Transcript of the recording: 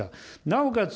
なおかつ